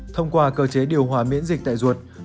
thông qua cơ chế điều hòa miễn dịch tại ruột